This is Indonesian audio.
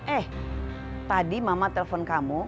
eh tadi mama telepon kamu